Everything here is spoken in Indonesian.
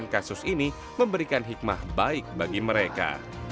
kasus ini memberikan hikmah baik bagi mereka